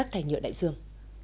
rác thải nhựa đại dương